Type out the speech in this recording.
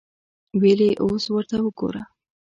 ویل یې اوس ورته ګوره.